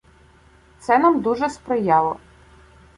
Це нам дуже сприяло.